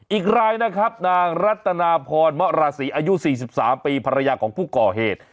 อีกรายนะครับนางรัตนาพรมะราศีอายุ๔๓ปีภรรยาของผู้ก่อเหตุ